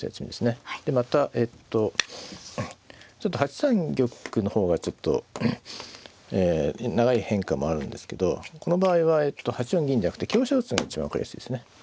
またえっとちょっと８三玉の方がちょっと長い変化もあるんですけどこの場合は８四銀じゃなくて香車打つのが一番分かりやすいですね。